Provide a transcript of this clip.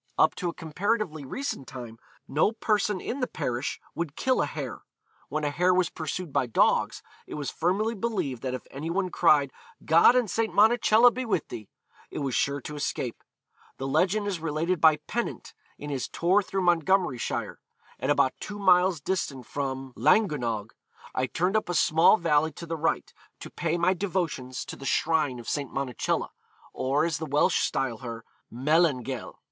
Up to a comparatively recent time, no person in the parish would kill a hare. When a hare was pursued by dogs, it was firmly believed that if any one cried, 'God and St. Monacella be with thee,' it was sure to escape. The legend is related by Pennant, in his tour through Montgomeryshire: 'At about two miles distant from Llangynog, I turned up a small valley to the right, to pay my devotions to the shrine of St. Monacella, or, as the Welsh style her, Melangell....